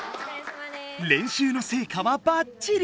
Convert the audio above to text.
練習のせいかはバッチリ！